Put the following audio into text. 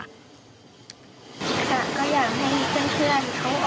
ค่ะก็อยากให้เพื่อนเขาออกมาเร็วค่ะ